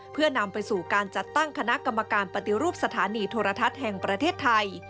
เพื่อนำไปสู่การจัดตั้งคณะกรรมการปฏิรูปสถานีโทรทัศน์แห่งประเทศไทย